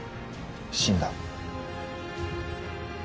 死んだ。